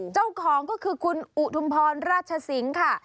เจ้าของก็คือคุณอุทุมพรราชสิงค่ะ